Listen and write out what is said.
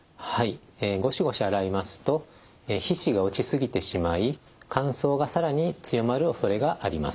ゴシゴシ洗いますと皮脂が落ち過ぎてしまい乾燥が更に強まるおそれがあります。